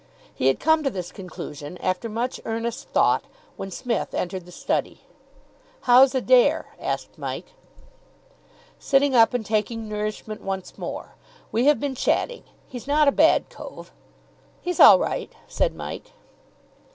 He had come to this conclusion, after much earnest thought, when Psmith entered the study. "How's Adair?" asked Mike. "Sitting up and taking nourishment once more. We have been chatting. He's not a bad cove." "He's all right," said Mike.